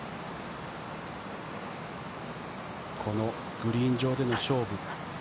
このグリーン上での勝負。